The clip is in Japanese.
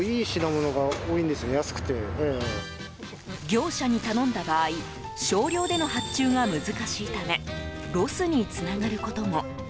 業者に頼んだ場合少量での発注が難しいためロスにつながることも。